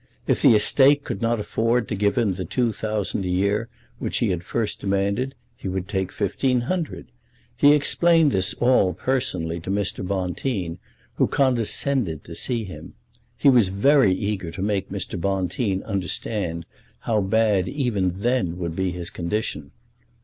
If the estate could not afford to give him the two thousand a year which he had first demanded, he would take fifteen hundred. He explained all this personally to Mr. Bonteen, who condescended to see him. He was very eager to make Mr. Bonteen understand how bad even then would be his condition.